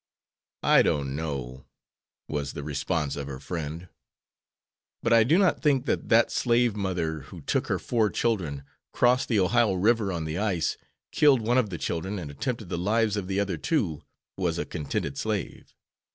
"I don't know," was the response of her friend, "but I do not think that that slave mother who took her four children, crossed the Ohio River on the ice, killed one of the children and attempted the lives of the other two, was a contented slave.